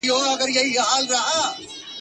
منتظر مي د هغه نسیم رویبار یم ..